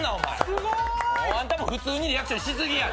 すごい！あんたも普通にリアクションし過ぎや。